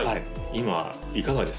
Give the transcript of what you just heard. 今いかがですか？